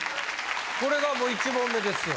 これが１問目ですよ。